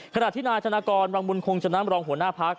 ขณะที่นายธนากรวังบุญคงชนะรองหัวหน้าพัก